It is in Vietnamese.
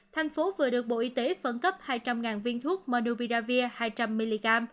thành phố vừa được bộ y tế phân cấp hai trăm linh viên thuốc menuvidavir hai trăm linh mg